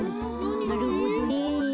なるほどね。